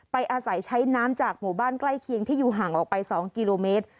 อาศัยใช้น้ำจากหมู่บ้านใกล้เคียงที่อยู่ห่างออกไป๒กิโลเมตร